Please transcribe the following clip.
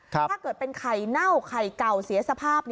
ถ้าเกิดเป็นไข่เน่าไข่เก่าเสียสภาพ